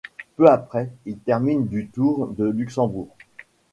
Peu après, il termine du Tour de Luxembourg.